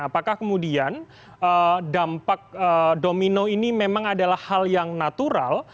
apakah kemudian dampak domino ini memang adalah hal yang natural